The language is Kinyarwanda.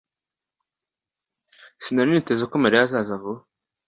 Sinari niteze ko Mariya azaza vuba